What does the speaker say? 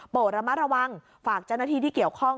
ระมัดระวังฝากเจ้าหน้าที่ที่เกี่ยวข้อง